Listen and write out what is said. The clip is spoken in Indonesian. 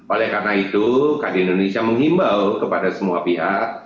oleh karena itu kadin indonesia menghimbau kepada semua pihak